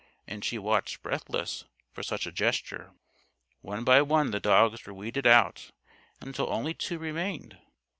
And she watched breathless for such a gesture. One by one the dogs were weeded out until only two remained.